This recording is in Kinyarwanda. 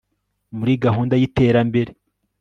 muri gahunda y'iterambere